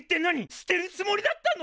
捨てるつもりだったの！？